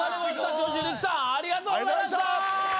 長州力さんありがとうございました！